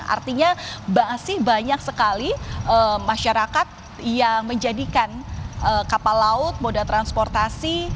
artinya masih banyak sekali masyarakat yang menjadikan kapal laut moda transportasi